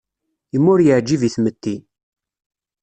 Imi ur yeɛjib i tmetti.